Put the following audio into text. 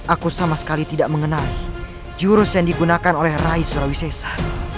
aku sama sekali tidak mengenali jurus yang digunakan oleh rai surawisesa